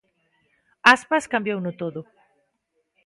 Aspas cambiouno todo.